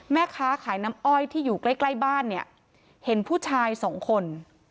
แม่ค้าขายน้ำอ้อยที่อยู่ใกล้ใกล้บ้านเนี่ยเห็นผู้ชายสองคน